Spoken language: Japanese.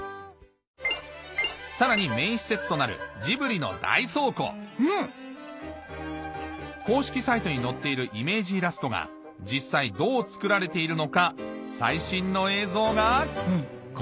さらにメイン施設となる公式サイトに載っているイメージイラストが実際どう作られているのか最新の映像がこちら！